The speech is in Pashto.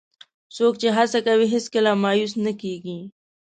څوک چې هڅه کوي، هیڅکله مایوس نه کېږي.